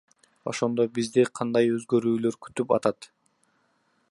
Ошондо бизди кандай өзгөрүүлөр күтүп атат?